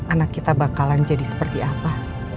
anak kita bakalan jadi seperti apa